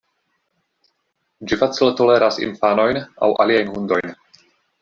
Ĝi facile toleras infanojn aŭ aliajn hundojn.